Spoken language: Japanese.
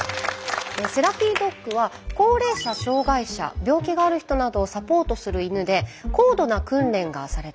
セラピードッグは高齢者障がい者病気がある人などをサポートする犬で高度な訓練がされています。